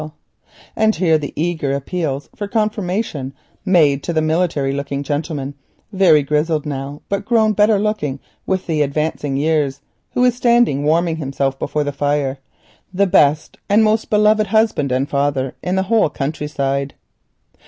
We can hear the eager appeal for details made to the military looking gentleman, very grizzled now, but grown better looking with the advancing years, who is standing before the fire, the best, most beloved husband and father in all that country side.